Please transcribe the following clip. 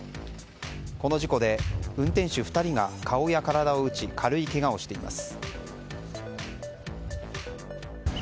この事故で運転手２人が顔や体を打ち軽いけがをしています。